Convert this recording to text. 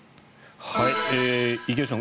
池内さん